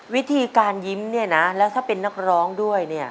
วิธีการยิ้มเนี่ยนะแล้วถ้าเป็นนักร้องด้วยเนี่ย